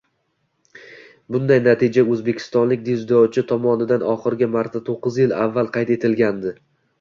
Bunday natija o‘zbekistonlik dzyudochi tomonidan oxirgi martato´qqizyil avval qayd etilgan edi